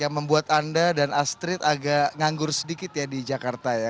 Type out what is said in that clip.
yang membuat anda dan astrid agak nganggur sedikit ya di jakarta ya